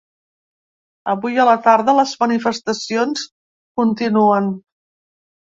Avui a la tarda les manifestacions continuen.